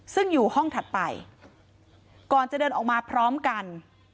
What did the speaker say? ซึ่งอยู่ห้องถัดไปก่อนจะเดินออกมาพร้อมกัน